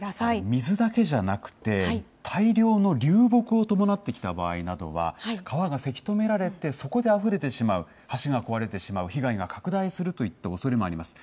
水だけじゃなくて、大量の流木を伴ってきた場合などは、川がせき止められて、そこであふれてしまう、橋が壊れてしまう、被害が拡大するというおそれもあります。